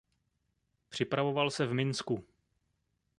Připravoval se v Minsku.